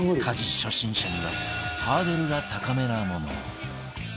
家事初心者にはハードルが高めなもの